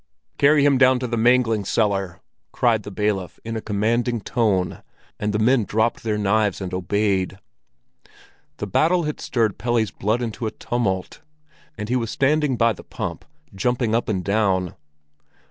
"Carry him down to the mangling cellar!" cried the bailiff in a commanding tone, and the men dropped their knives and obeyed. The battle had stirred Pelle's blood into a tumult, and he was standing by the pump, jumping up and down.